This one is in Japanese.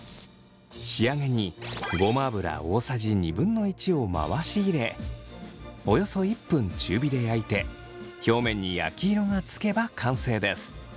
仕上げにごま油大さじ２分の１を回し入れおよそ１分中火で焼いて表面に焼き色がつけば完成です。